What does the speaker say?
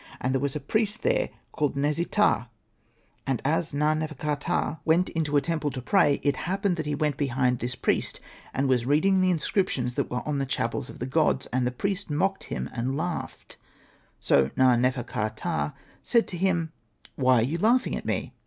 And there was a priest there called Nesi ptah ; and as Na.nefer.ka.ptah went into a Hosted by Google AHURA'S TALE 93 temple to pray, it happened that he went behind this priest, and was reading the inscriptions that were on the chapels of the gods. And the priest mocked him and laughed. So Na.nefer.ka.ptah said to him, ' Why are you laughing at me